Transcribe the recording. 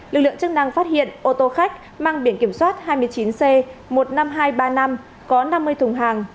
lực lượng chức năng phát hiện ô tô khách mang biển kiểm soát hai mươi chín c một mươi năm nghìn hai trăm ba mươi năm có năm mươi thùng hàng